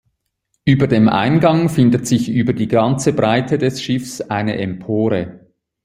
Über dem Eingang findet sich über die ganze Breite des Schiffs eine Empore.